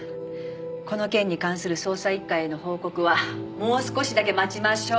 この件に関する捜査一課への報告はもう少しだけ待ちましょう。